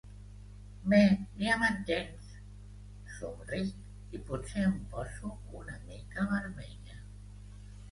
Bé, ja m'entens —somric, i potser em poso una mica vermella—.